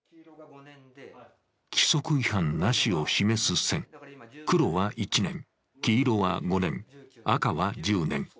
規則違反なしを示す線黒は１年黄色は５年、赤は１０年。